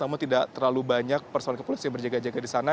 namun tidak terlalu banyak personik personik yang berjaga jaga disana